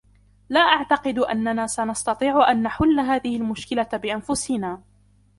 لا أعتقد أننا سنستطيع أن نحل هذه المشكلة بأنفسنا.